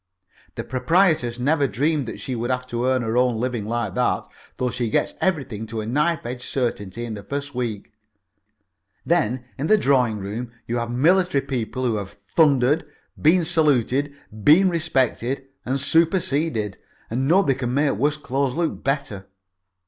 The proprietoress never dreamed that she would have to earn her own living like that though she gets everything to a knife edge certainty in the first week. Then in the drawing room you have military people who have thundered, been saluted, been respected and superseded. And nobody can make worse clothes look better.